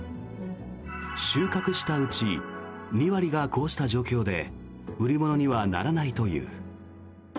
収穫したうち２割がこうした状況で売り物にはならないという。